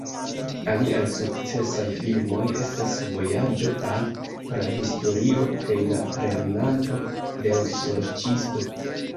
Aliaj sukcesaj filmoj estas "Vojaĝo al Prahistorio" kaj "La Lernanto de l' Sorĉisto"